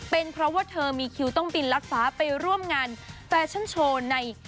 เป็นเพราะว่าเธอมีคิวต้องบินลัดฟ้าไปร่วมงานแฟชั่นโชว์ใน